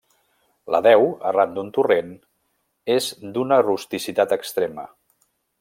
La deu, arran d'un torrent, és d'una rusticitat extrema.